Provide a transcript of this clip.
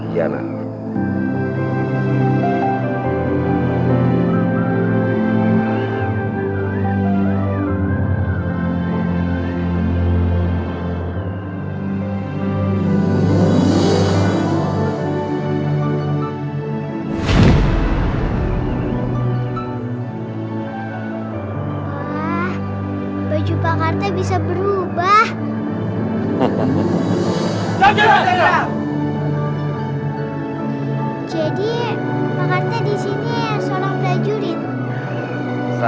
jangan lupa untuk berikan duit